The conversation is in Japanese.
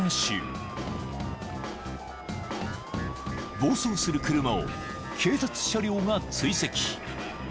［暴走する車を警察車両が追跡］